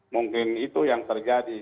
mungkin itu yang terjadi